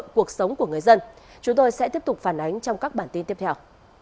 cuộc sống của người dân chúng tôi sẽ tiếp tục phản ánh trong các bản tin tiếp theo